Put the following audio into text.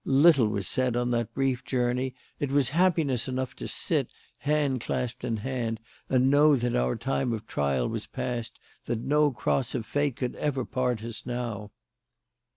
Little was said on that brief journey. It was happiness enough to sit, hand clasped in hand, and know that our time of trial was past; that no cross of Fate could ever part us now.